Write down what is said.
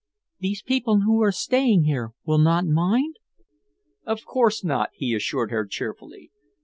These people who are staying here will not mind?" "Of course not," he assured her cheerfully.